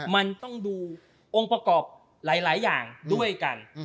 มันต้องดูองค์ประกอบหลายอย่างด้วยกัน